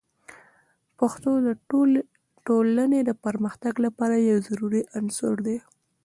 پښتو د ټولنې د پرمختګ لپاره یو ضروري عنصر دی.